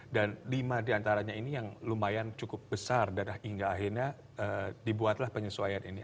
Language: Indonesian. dan lima diantaranya ini yang lumayan cukup besar dan hingga akhirnya dibuatlah penyesuaian ini